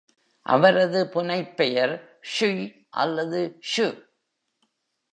அவரது புனைப்பெயர் 'ஷூய்' அல்லது 'சு'.